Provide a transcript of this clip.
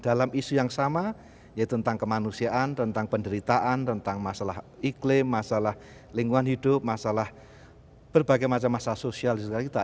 dalam isu yang sama yaitu tentang kemanusiaan tentang penderitaan tentang masalah iklim masalah lingkungan hidup masalah berbagai macam masalah sosial di sekitar kita